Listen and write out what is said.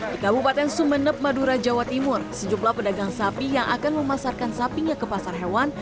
di kabupaten sumeneb madura jawa timur sejumlah pedagang sapi yang akan memasarkan sapinya ke pasar hewan